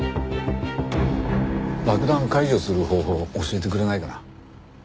爆弾解除する方法教えてくれないかな？